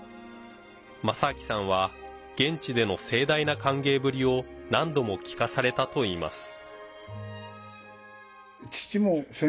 雅昭さんは現地での盛大な歓迎ぶりを何度も聞かされたといいます。